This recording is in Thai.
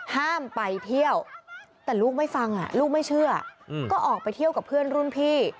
ห้ามไปเที่ยวแต่ลูกไม่ฟังลูกไม่เชื่อก็ออกไปเที่ยวกับเพื่อนรุ่นพี่